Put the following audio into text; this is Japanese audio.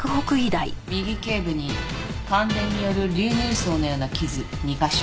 右頸部に感電による流入創のような傷２カ所。